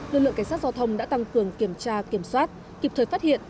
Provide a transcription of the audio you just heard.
lực lượng cảnh sát giao thông đã tăng cường kiểm tra kiểm soát kịp thời phát hiện